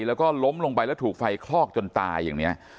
แล้วก็ล้มลงไปแล้วถูกไฟคลอกจนตายอย่างนี้